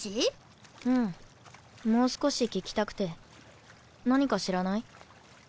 うんもう少し聞きたくて何か知らない？